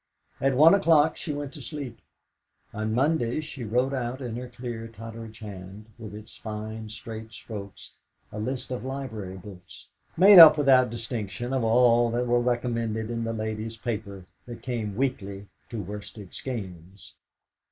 At one o'clock she went to sleep. On Mondays she wrote out in her clear Totteridge hand, with its fine straight strokes, a list of library books, made up without distinction of all that were recommended in the Ladies' Paper that came weekly to Worsted Skeynes.